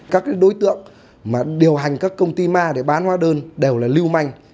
các đối tượng điều hành các công ty ma để bán hoa đơn đều là lưu manh